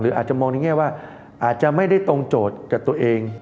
อาจจะมองในแง่ว่าอาจจะไม่ได้ตรงโจทย์กับตัวเอง